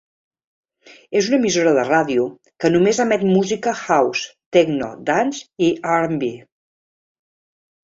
És una emissora de ràdio que només emet música house, techno, dance i R'n'B.